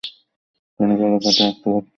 তিনি ভালো কার্টুন আঁকতে পারতেন।